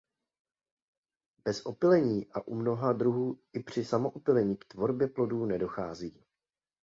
Bez opylení a u mnoha druhů i při samoopylení k tvorbě plodů nedochází.